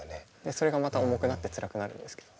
それがまた重くなってつらくなるんですけど。